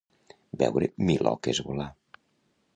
Veure miloques volar.